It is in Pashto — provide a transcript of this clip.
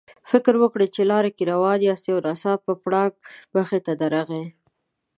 فکر وکړئ چې لار کې روان یاستئ او ناڅاپه پړانګ مخې ته درغی.